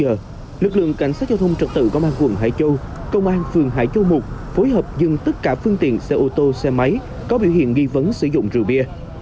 hai mươi một h lực lượng cảnh sát giao thông trật tự có mang quần hải châu công an phường hải châu một phối hợp dừng tất cả phương tiện xe ô tô xe máy có biểu hiện nghi vấn sử dụng rượu bia